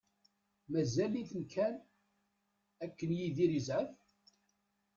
Mazal-iten kan akken Yidir yezɛef.